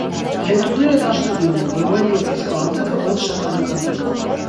Փետուրները դարչնագույն է, որովայնը և կրծքավանդակը՝ բաց շագանակագույն։